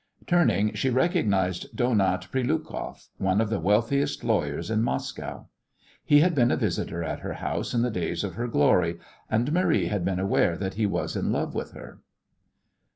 Turning, she recognized Donat Prilukoff, one of the wealthiest lawyers in Moscow. He had been a visitor at her house in the days of her glory, and Marie had been aware that he was in love with her.